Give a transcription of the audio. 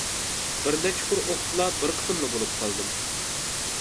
بىر نەچچە قۇر ئوقۇپلا بىر قىسمىلا بولۇپ قالدىم.